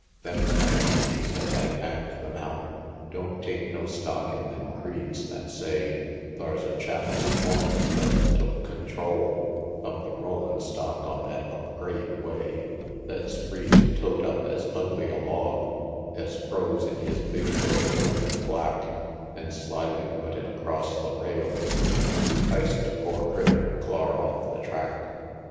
XV. Them's my idees es I pann'd them out; Don't take no stock in them creeds that say, Thar's a chap with horns thet's took control Of the rollin' stock on thet up grade way, Thet's free to tote up es ugly a log Es grows in his big bush grim an' black, An' slyly put it across the rails, Tew hist a poor critter clar off the track.